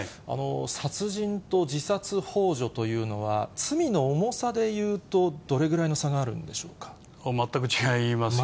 殺人と自殺ほう助というのは、罪の重さでいうと、どれぐらいの全く違いますよね。